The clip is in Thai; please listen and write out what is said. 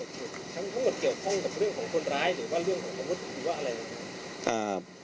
ทั้งหมดเกี่ยวข้องกับเรื่องของคนร้ายหรือว่าเรื่องของอาวุธหรือว่าอะไร